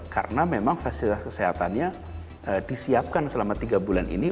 karena memang fasilitas kesehatannya disiapkan selama tiga bulan ini